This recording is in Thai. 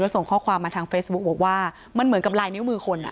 ส่งข้อความมาทางเฟซบุ๊คบอกว่ามันเหมือนกับลายนิ้วมือคนอ่ะ